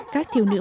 các thiếu ném còn